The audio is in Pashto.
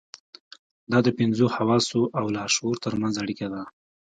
دا د پنځو حواسو او لاشعور ترمنځ اړيکه ده.